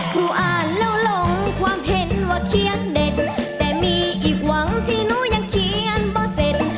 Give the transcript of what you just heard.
ครูอ่านแล้วลงความเห็นว่าเขียนเด็ดแต่มีอีกหวังที่หนูยังเขียนเปอร์เซ็นต์